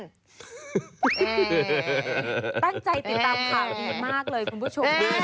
ตั้งใจติดตามข่าวดีมากเลยคุณผู้ชม